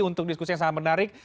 untuk diskusi yang sangat menarik